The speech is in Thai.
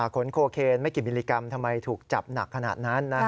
คนโคเคนไม่กี่มิลลิกรัมทำไมถูกจับหนักขนาดนั้น